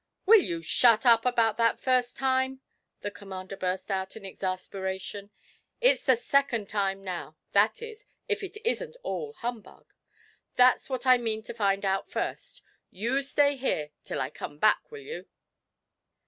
'Will you shut up about that first time!' the Commander burst out, in exasperation; 'it's the second time now that is, if it isn't all humbug. That's what I mean to find out first you stay here till I come back, will you?'